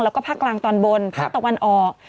แล้วก็ภาคกลางตอนบนภาคตะวันออก